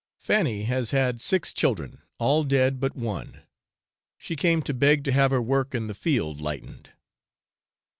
Fanny has had six children, all dead but one. She came to beg to have her work in the field lightened.